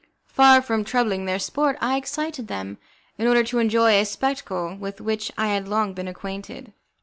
Far from troubling their sport, I excited them, in order to enjoy a spectacle with which I had long been acquainted.